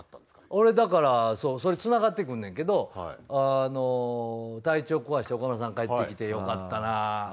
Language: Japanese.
俺だからそれつながってくんねんけど体調壊して岡村さん帰ってきてよかったなぁ。